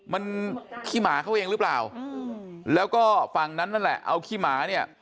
มันขี้หมาเขาเองหรือเปล่าแล้วก็ฝั่งนั้นนั่นแหละเอาขี้หมาเนี่ย